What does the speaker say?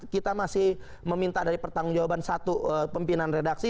kita masih meminta dari pertanggung jawaban satu pimpinan redaksi